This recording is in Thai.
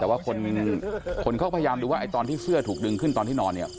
แต่ว่าคนเขาพยายามดูว่าไอ้ตอนที่เสื้อถูกดึงขึ้นตอนที่นอนเนี่ย